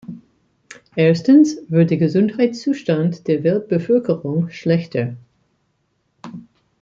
Erstens wird der Gesundheitszustand der Weltbevölkerung schlechter.